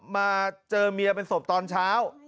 มาเจอเมียเป็นศพตอนเช้า